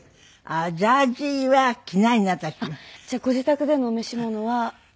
あっじゃあご自宅でのお召し物は。